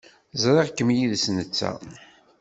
Ẓriɣ-kem yid-s netta.